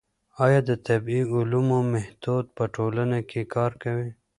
ايا د طبيعي علومو ميتود په ټولنه کي کار کوي؟